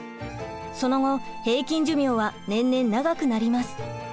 その後平均寿命は年々長くなります。